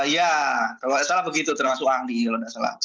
ya kalau tidak salah begitu termasuk anggi kalau tidak salah